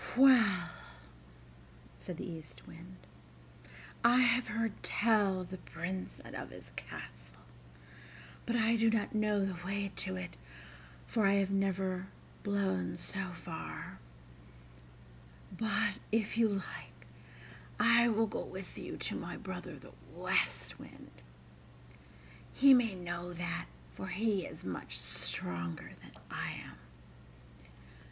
"Well," said the East Wind, "I have heard tell of the Prince, and of his castle, but I do not know the way to it, for I have never blown so far; but, if you like, I will go with you to my brother the West Wind: he may know that, for he is much stronger than I am.